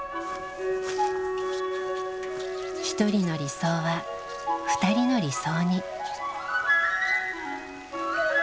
一人の理想は二人の理想に。